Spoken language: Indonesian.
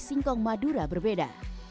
singkong madura berbeda